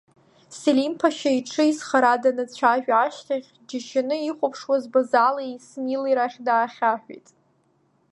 Селим Ԥашьа иҽы изхара данацәажәа ашьҭахь дџьашьаны ихәаԥушаз Базалеи Исмили рахь даахьаҳәит…